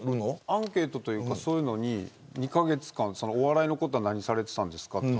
アンケートというかそういうのに２カ月間、お笑いのことは何されていたんですか、と。